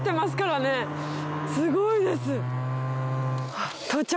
すごいです。到着？